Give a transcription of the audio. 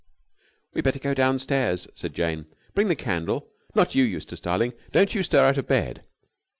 "We'd better go downstairs," said Jane. "Bring the candle. Not you, Eustace, darling. Don't you stir out of bed!"